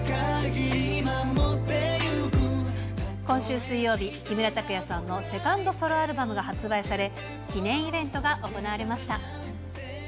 今週水曜日、木村拓哉さんのセカンドソロアルバムが発売され、記念イベントが行われました。